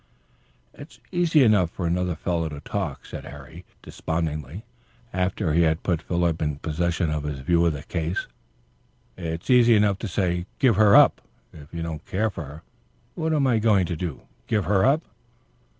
"It's easy enough for another fellow to talk," said Harry, despondingly, after he had put Philip in possession of his view of the case. "It's easy enough to say 'give her up,' if you don't care for her. What am I going to do to give her up?"